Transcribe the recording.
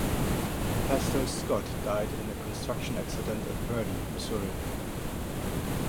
Pastor Scott died in a construction accident in Purdy, Missouri.